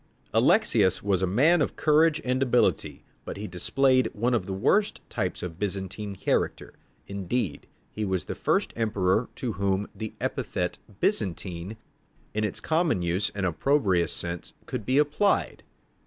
Alexius was a man of courage and ability, but he displayed one of the worst types of Byzantine character. Indeed, he was the first emperor to whom the epithet "Byzantine," in its common and opprobrious sense could be applied.